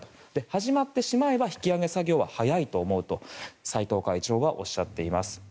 始まってしまえば引き揚げ作業は早いと思うと斎藤会長はおっしゃっています。